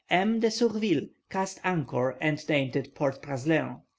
M. de Surville cast anchor and named it Port Praslin.